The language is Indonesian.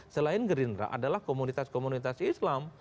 selain gerindra adalah komunitas komunitas islam